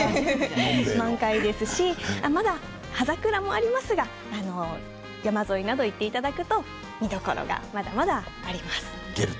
満開ですし葉桜もありますが山沿いなどに行っていただくと見どころがまだまだあります。